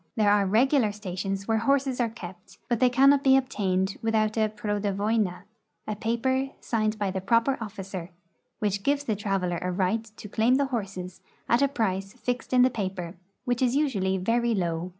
There are regular stations where horses are kept, but they cannot be obtained without a prodovoina — a paper signed by the proper officer — which gives the traveler a right to claim the horses at a price fixed in the paper, which is usually very low.